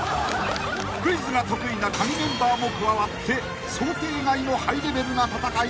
［クイズが得意なカギメンバーも加わって想定外のハイレベルな戦いに］